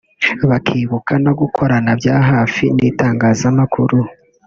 bakibuka no gukorana bya hafi n’itangazamakuru